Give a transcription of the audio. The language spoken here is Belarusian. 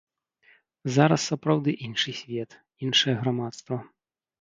Зараз сапраўды іншы свет, іншае грамадства.